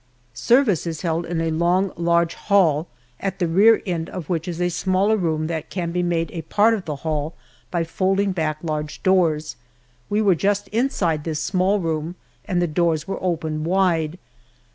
Service is held in a long, large hall, at the rear end of which is a smaller room that can be made a part of the hall by folding back large doors. We were just inside this small room and the doors were opened wide.